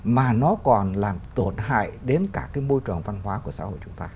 mà nó còn làm tổn hại đến cả cái môi trường văn hóa của xã hội chúng ta